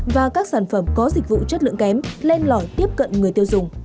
và các sản phẩm có dịch vụ chất lượng kém lên lò tiếp cận người tiêu dùng